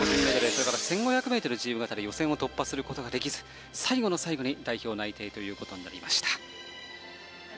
それから１５００ｍ自由形で予選を突破できず最後の最後に代表内定となりました。